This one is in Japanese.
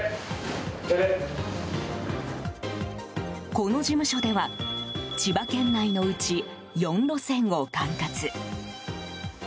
この事務所では千葉県内のうち４路線を管轄。